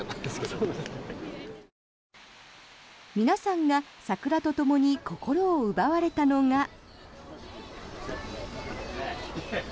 皆さんが桜とともに心を奪われたのが。